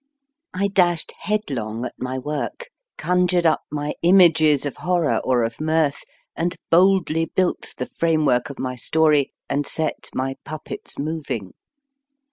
I dashed headlong at my work, conjured up my images of horror or of mirth, and boldly built the framework of my story, and set my puppets moving.